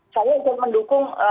saya ingin mendukung